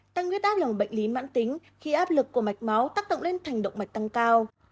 tăng nguyết áp là một bệnh lý mãn tính khi áp lực của mạch máu tác động lên thành động mạch tăng cao